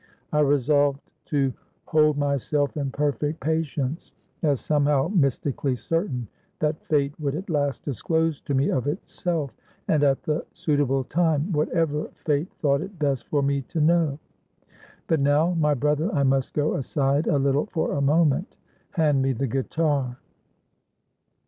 I resolved to hold myself in perfect patience, as somehow mystically certain, that Fate would at last disclose to me, of itself, and at the suitable time, whatever Fate thought it best for me to know. But now, my brother, I must go aside a little for a moment. Hand me the guitar."